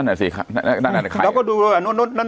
นั่นแหละสิค่ะนั่นนั่นนั่นใครเราก็ดูอ่ะนั่นนั่นนั่น